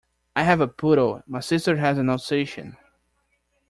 I have a poodle, my sister has an Alsatian